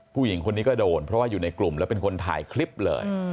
ผู้หญิงคนนี้ก็โดนเพราะว่าอยู่ในกลุ่มแล้วเป็นคนถ่ายคลิปเลย